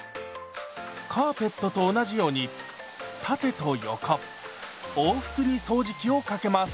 カーペットと同じように縦と横往復に掃除機をかけます。